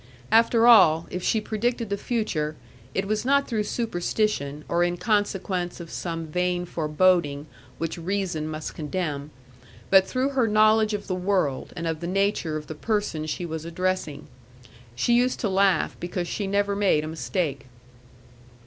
After all, if she predicted the future, it was not through superstition, or in consequence of some vain foreboding which reason must condemn, but through her knowledge of the world, and of the nature of the person she was addressing. She used to laugh because she never made a mistake.